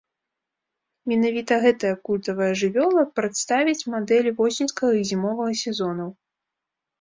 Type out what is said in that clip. Менавіта гэтая культавая жывёла прадставіць мадэлі восеньскага і зімовага сезонаў.